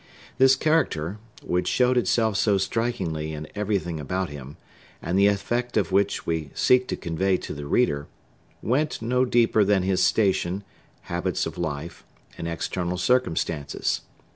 This character—which showed itself so strikingly in everything about him, and the effect of which we seek to convey to the reader—went no deeper than his station, habits of life, and external circumstances.